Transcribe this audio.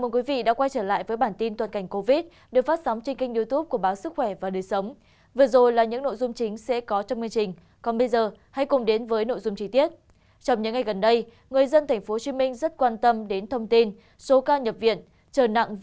các bạn hãy đăng kí cho kênh lalaschool để không bỏ lỡ những video hấp dẫn